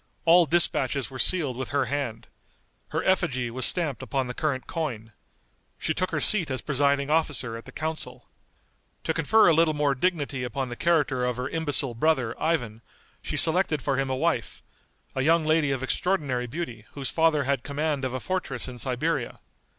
All dispatches were sealed with her hand. Her effigy was stamped upon the current coin. She took her seat as presiding officer at the council. To confer a little more dignity upon the character of her imbecile brother, Ivan, she selected for him a wife, a young lady of extraordinary beauty whose father had command of a fortress in Siberia.